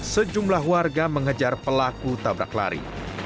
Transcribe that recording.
sejumlah warga mengejar pelaku tabrak lari